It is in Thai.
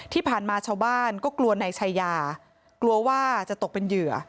ที่ผ่านมาชาวบ้านก็กลัวนายชายากลัวว่าจะตกเป็นเหยื่อ